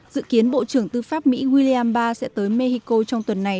dự kiến bộ trưởng tư pháp mỹ william bar sẽ tới mexico trong tuần này